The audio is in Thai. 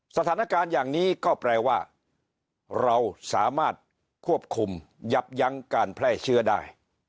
สถานการณ์อย่างนี้ก็แปลว่าเราสามารถควบคุมยับยั้งการแพร่เชื้อได้